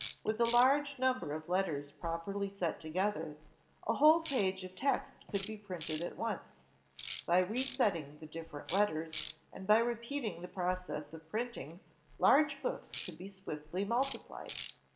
With a large number of letters properly set together, a whole page of text could be printed at once. By resetting the different letters, and by repeating the process of printing, large books could be swiftly multiplied.